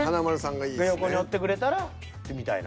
が横におってくれたらみたいな。